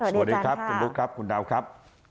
สวัสดีครับคุณบุ๊คครับคุณดาวครับ